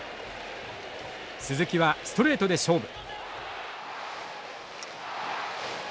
鈴木はストレートで勝負。